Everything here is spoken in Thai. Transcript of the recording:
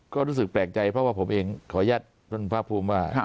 ก็รู้สึกแปลกใจเพราะว่าผมเองขออนุญาตท่านภาคภูมิว่า